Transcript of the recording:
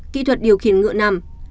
kỹ thuật điều khiển ngựa nằm